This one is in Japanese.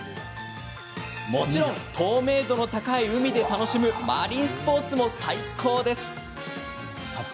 もちろん透明度の高い海で楽しむマリンスポーツも最高です。